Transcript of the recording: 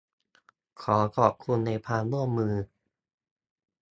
ขอขอบคุณในความร่วมมือ